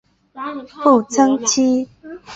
步曾槭